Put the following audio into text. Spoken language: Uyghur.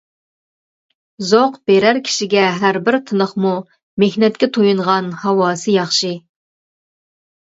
زوق بىرەر كىشىگە ھەربىر تىنىقمۇ، مېھنەتكە تويۇنغان ھاۋاسى ياخشى.